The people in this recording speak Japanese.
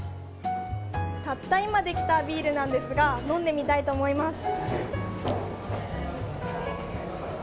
たった今できたビールなんですが飲んでみたいと思います。